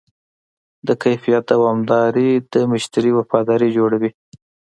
د کیفیت دوامداري د مشتری وفاداري جوړوي.